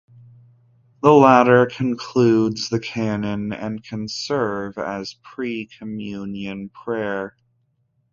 The latter concludes the canon and can serve as pre-Communion prayer.